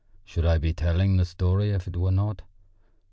Should I be telling the story if it were not?